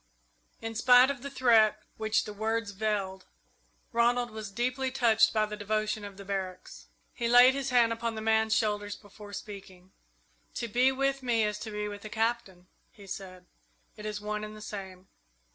In spite of the threat which the words veiled, Ronald was deeply touched by the devotion of the barracks. He laid his hand on the man's shoulders before speaking. "To be with me is to be with the Captain," he said. "It is one and the same.